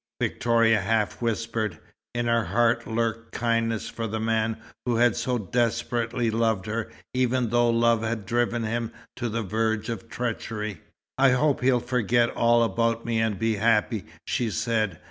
Victoria half whispered. In her heart lurked kindness for the man who had so desperately loved her, even though love had driven him to the verge of treachery. "I hope he'll forget all about me and be happy," she said.